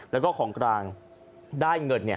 แล้วก็ของกลางได้เงิน